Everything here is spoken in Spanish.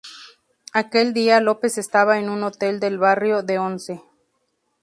Aquel día López estaba en un hotel del barrio de Once.